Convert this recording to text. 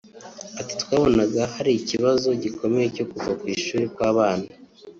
Ati “Twabonaga hari ikibazo gikomeye cyo kuva mu ishuri kw’abana